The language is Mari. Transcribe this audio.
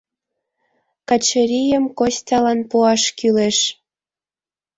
Качырийым Костялан пуаш кӱлеш!